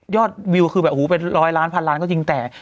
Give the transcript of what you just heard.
ยอดวีวคือแบบผู้เป็นร้อยล้านสัตว์ร้านก็จริงแต่